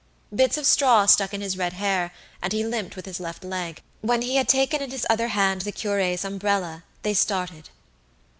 Bits of straw stuck in his red hair, and he limped with his left leg. When he had taken in his other hand the cure's umbrella, they started.